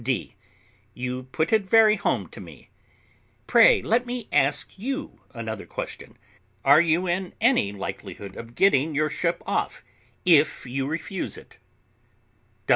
D. You put it very home to me. Pray let me ask you another question: Are you in any likelihood of getting your ship off, if you refuse it?